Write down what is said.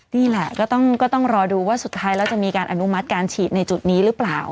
นี่แหละก็ต้องรอดูว่าสุดท้ายแล้วจะมีการอนุมัติการฉีดในจุดนี้หรือเปล่า